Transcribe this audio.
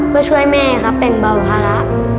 เพื่อช่วยแม่ครับแบ่งเบาภาระ